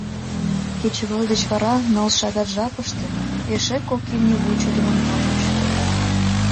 Кечывал деч вара ныл шагат жапыште эше кок имне вучыдымын тольыч.